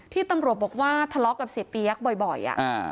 ตำรวจบอกว่าทะเลาะกับเสียเปี๊ยกบ่อย